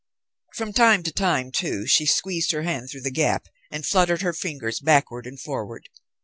From time to time, too, she squeezed her hand through the gap and fluttered her fingers backward and forward.